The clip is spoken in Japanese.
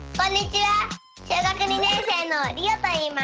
小学２年生のりおといいます。